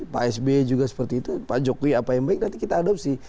pak sby juga seperti itu pak jokowi apa yang baik nanti kita adopsi